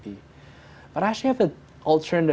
punya jawaban alternatif